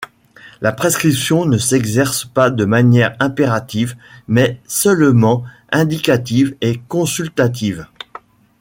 La prescription ne s'exerce pas de manière impérative, mais seulement indicative et consultative.